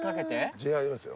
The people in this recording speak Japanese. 違いますよ。